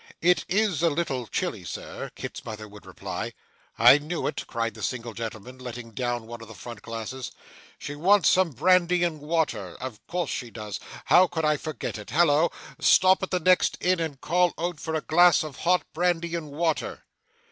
'It is a little chilly, Sir,' Kit's mother would reply. 'I knew it!' cried the single gentleman, letting down one of the front glasses. 'She wants some brandy and water! Of course she does. How could I forget it? Hallo! Stop at the next inn, and call out for a glass of hot brandy and water.